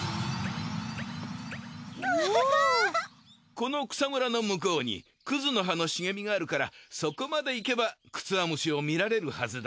この草むらの向こうにクズの葉の茂みがあるからそこまで行けばクツワムシを見られるはずだ。